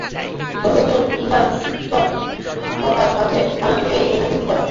সর্বোচ্চ দরদাতার কাছে মারাত্মক এই ইন্টেল বিক্রি করা।